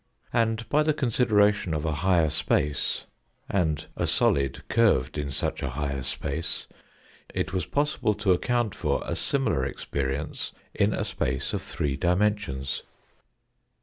And by the consideration of a higher space, and a solid curved in such a higher space, it was possible to account for a similar experience in a space of three dimensions.